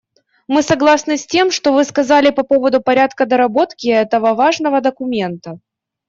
Мы согласны с тем, что Вы сказали по поводу порядка доработки этого важного документа.